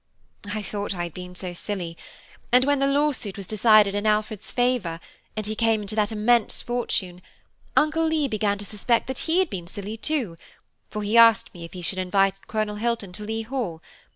"I thought I had been so silly; and when the lawsuit was decided in Alfred's favour, and he came into that immense fortune, Uncle Leigh began to suspect that he had been silly too, for he asked me if he should invite Colonel Hilton to Leigh Hall.